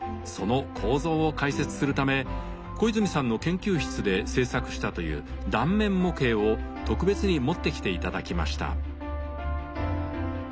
その構造を解説するため小泉さんの研究室で製作したという断面模型を特別に持ってきて頂きました。